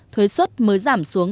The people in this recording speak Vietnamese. thuế xuất mới giảm xuống